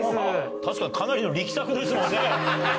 確かにかなりの力作ですもん